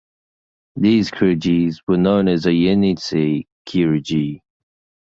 These Kyrgyz were known as the Yenisei Kyrgyz.